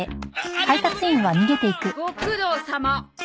ご苦労さま。